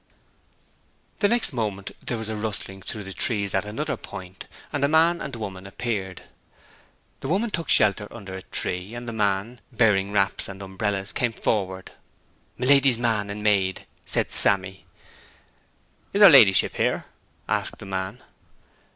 The next moment there was a rustling through the trees at another point, and a man and woman appeared. The woman took shelter under a tree, and the man, bearing wraps and umbrellas, came forward. 'My lady's man and maid,' said Sammy. 'Is her ladyship here?' asked the man.